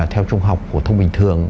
theo trung học của thông bình thường